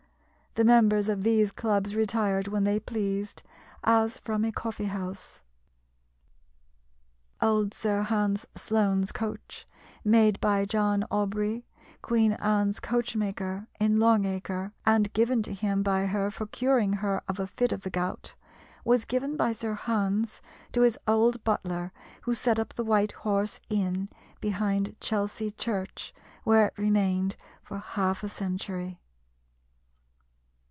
The members of these clubs retired when they pleased, as from a coffee house. Old Sir Hans Sloane's coach, made by John Aubrey, Queen Anne's coachmaker, in Long Acre, and given to him by her for curing her of a fit of the gout, was given by Sir Hans to his old butler, who set up the White Horse Inn behind Chelsea Church, where it remained for half a century.